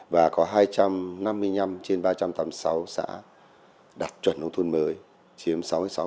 và có hai trăm năm mươi năm trên ba trăm tám mươi sáu xã đạt chuẩn nông thôn mới chiếm sáu mươi sáu